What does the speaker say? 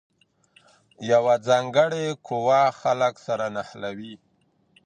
یوه ځانګړې قوه خلګ سره نښلوي.